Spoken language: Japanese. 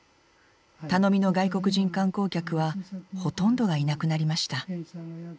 頼みの外国人観光客はほとんどがいなくなりました。